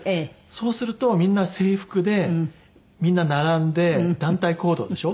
そうするとみんな制服でみんな並んで団体行動でしょ。